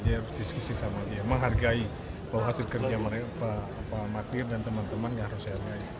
dia harus diskusi sama dia menghargai bahwa hasil kerja mereka pak amatir dan teman teman harus saya hargai